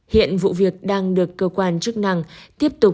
hiện vụ việc đang được cơ quan chức năng tiếp tục